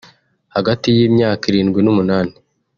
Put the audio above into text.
Hagati y’imyaka irindwi n’umunani